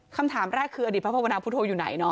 คำถามแรกคืออดีตพระภาวนาพุทธอยู่ไหนเนาะ